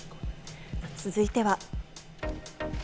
続いては。